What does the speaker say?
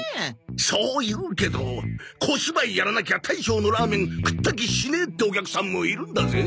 そう言うけど小芝居やらなきゃ大将のラーメン食った気しねえってお客さんもいるんだぜ。